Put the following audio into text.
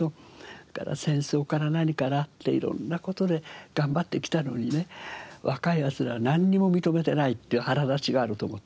それから戦争から何からっていろんな事で頑張ってきたのにね若い奴らはなんにも認めてないっていう腹立ちがあると思う。